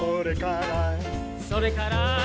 「それから」